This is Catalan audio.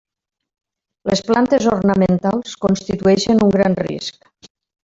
Les plantes ornamentals constitueixen un gran risc.